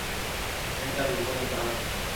তিনি তার গোপনীয়তা হারাচ্ছেন ।